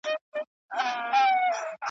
« درست پښتون له کندهاره تر اټکه سره خپل وي» `